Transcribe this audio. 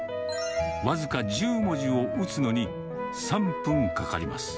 僅か１０文字を打つのに、３分かかります。